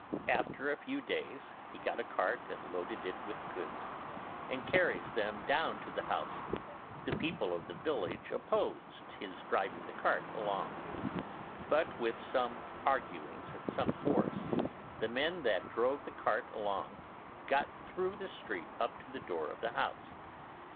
After a few days he got a cart and loaded it with goods, and carries them down to the house; the people of the village opposed his driving the cart along; but with some arguings and some force, the men that drove the cart along got through the street up to the door of the house.